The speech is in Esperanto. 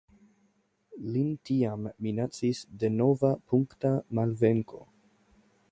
Lin tiam minacis denova punkta malvenko.